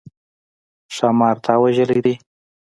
ښامار تا وژلی دی؟